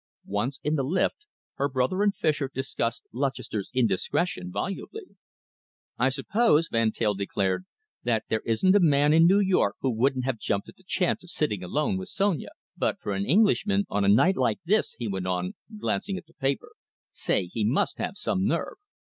Once in the lift, her brother and Fischer discussed Lutchester's indiscretion volubly. "I suppose," Van Teyl declared, "that there isn't a man in New York who wouldn't have jumped at the chance of dining alone with Sonia, but for an Englishman, on a night like this," he went on, glancing at the paper, "say, he must have some nerve!"